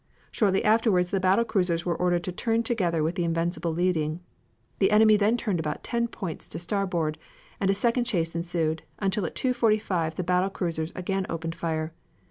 Shortly afterwards the battle cruisers were ordered to turn together with the Invincible leading. The enemy then turned about ten points to starboard, and a second chase ensued until, at 2.45, the battle cruisers again opened fire.